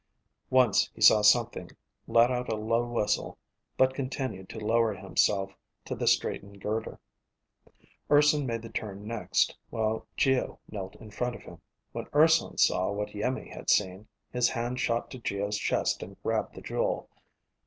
Once he saw something, let out a low whistle, but continued to lower himself to the straightened girder. Urson made the turn next, while Geo knelt in front of him. When Urson saw what Iimmi had seen, his hand shot to Geo's chest and grabbed the jewel.